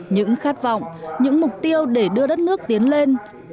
những khát vọng những mục tiêu để đưa đất nước tiến lên